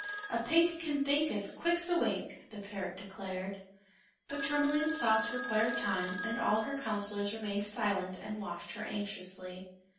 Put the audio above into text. "A Pink can think As quick's a wink!" the parrot declared. But Tourmaline's thoughts required time and all her Counselors remained silent and watched her anxiously.